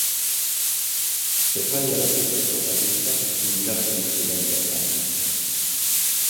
Epaia betetzeko baldintzak finkatzen ziren bertan.